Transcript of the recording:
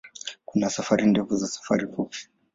Kuna safari ndefu na safari fupi.